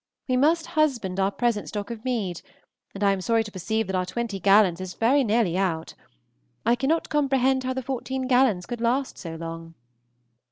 We must husband our present stock of mead, and I am sorry to perceive that our twenty gallons is very nearly out. I cannot comprehend how the fourteen gallons could last so long.